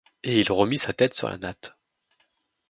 Et il remit sa tête sur la natte.